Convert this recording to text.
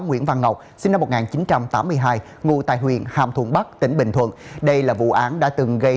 nguyễn văn ngọc sinh năm một nghìn chín trăm tám mươi hai ngụ tại huyện hàm thuận bắc tỉnh bình thuận đây là vụ án đã từng gây